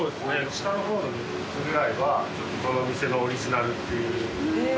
下の方の３つぐらいはこの店のオリジナルっていう感じで。